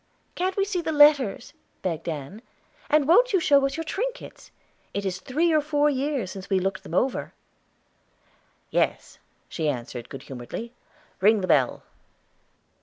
"Can't we see the letters?" begged Ann. "And wont you show us your trinkets? It is three or four years since we looked them over." "Yes," she answered, good humoredly; "ring the bell."